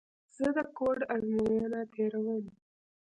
زه د کوډ ازموینه تېره ووم.